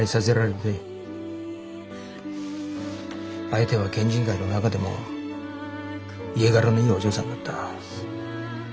相手は県人会の中でも家柄のいいお嬢さんだった。